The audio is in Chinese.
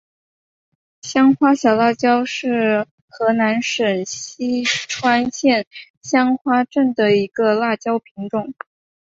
香花小辣椒是河南省淅川县香花镇的一个辣椒品种。